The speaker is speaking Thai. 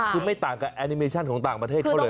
คือไม่ต่างกับแอนิเมชั่นของต่างประเทศเขาเลย